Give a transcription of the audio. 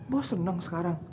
bos senang sekarang